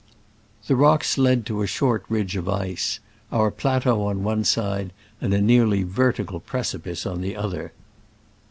The rocks led to a short ridge of ice — our plateau on one side, and a nearly vertical preci pice on the other.